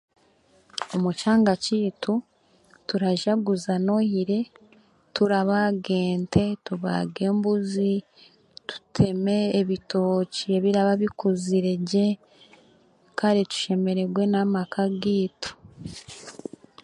Omu kyanga kyaitu, turajaguja nohire turabaaga ente, tubaage embuzi, tuteme ebitooki ebiraba bikuzire kare tushemeregwe n'amaka gaitu.